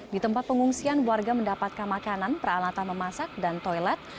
di tempat pengungsian warga mendapatkan makanan peralatan memasak dan toilet